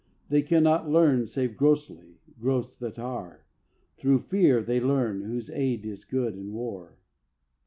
They cannot learn save grossly, gross that are: Through fear they learn whose aid is good in war.